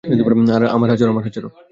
আমার হাত ছাড়ো।